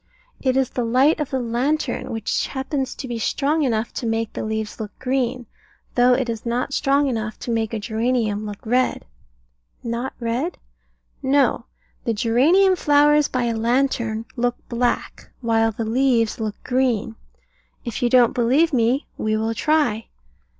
It is the light of the lantern, which happens to be strong enough to make the leaves look green, though it is not strong enough to make a geranium look red. Not red? No; the geranium flowers by a lantern look black, while the leaves look green. If you don't believe me, we will try.